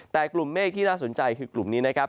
แต่กลุ่มเมฆที่น่าสนใจคือกลุ่มนี้นะครับ